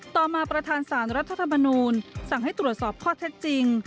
ต่อมาประธานสารรัฐธรรมนูลสั่งให้ตรวจสอบข้อเท็จจริง